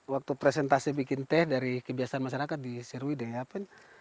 waktu presentasi bikin teh dari kebiasaan masyarakat di serwide yapen